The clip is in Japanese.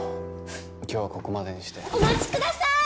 今日はここまでにしてお待ちくださーい！